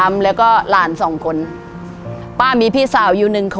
มีอยู่วันหนึ่งเมื่อสี่ห้าปีที่แล้ว